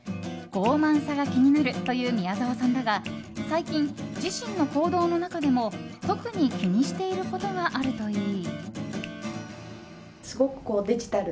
傲慢さが気になるという宮沢さんだが最近、自身の行動の中でも特に気にしていることがあるといい。